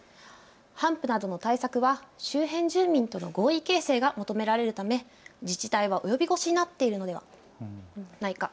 ハンプなどの対策は周辺住民との合意形成が求められるため自治体は及び腰になっているのではないか。